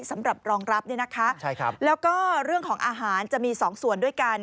สำหรับรองรับเนี่ยนะคะแล้วก็เรื่องของอาหารจะมีสองส่วนด้วยกัน